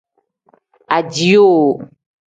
Ajihoo.